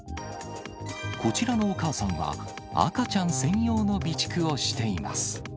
こちらのお母さんは赤ちゃん専用の備蓄をしています。